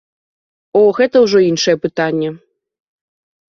О, гэта ўжо іншае пытанне.